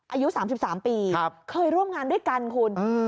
อายุสามสิบสามปีครับเคยร่วมงานด้วยกันคุณอืม